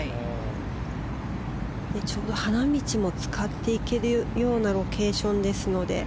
花道も使っていけるようなロケーションですので。